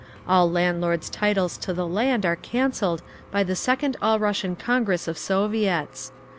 All landlords' titles to the land are cancelled by the second All Russian Congress of Soviets.